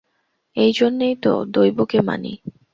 এইজন্যেই তো দৈবকে মানি।